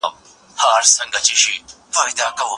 ګډوډۍ، بحث پاروولو او جنجال